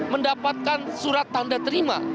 mendapatkan surat tanda terima